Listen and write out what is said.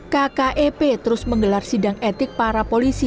kkep terus menggelar sidang etik para polisi